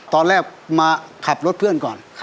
ตอนแรกมาขับรถเพื่อนก่อน